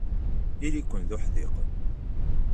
Ili-ken d uḥdiqen.